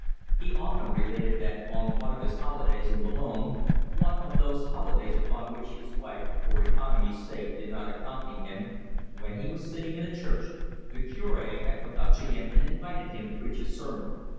He often related that on one of his holidays in Boulogne, one of those holidays upon which his wife for economy's sake did not accompany him, when he was sitting in a church, the cure had come up to him and invited him to preach a sermon.